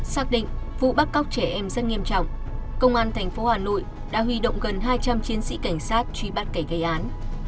xác định vụ bắt cóc trẻ em rất nghiêm trọng công an tp hà nội đã huy động gần hai trăm linh chiến sĩ cảnh sát truy bắt kẻ gây án